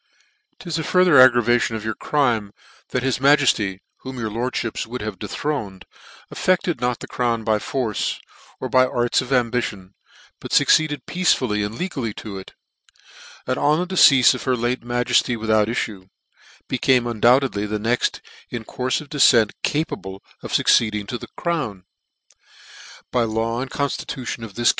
" 'Tis a further aggravation t of your crime, that his majefty, whom your lordfhips would have dethroned, affrcted not the crown by force, or by the arts of ambition, but fucceeded peaceably and legally to it ; and, on the deceafe of her late majefty without iiTue, became undoubtedly the next in courfe of defcent capable of fucceeding to the crown, by the law anfl conftitution of this king ACCOUNT of thr REBELLION in 1715.